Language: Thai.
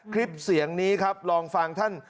คลิปเสียงนี้ครับลองฟังท่าน